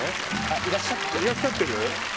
いらっしゃってます。